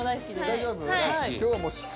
大丈夫？